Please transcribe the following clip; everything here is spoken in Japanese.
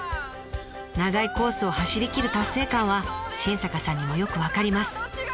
長いコースを走りきる達成感は新坂さんにもよく分かります。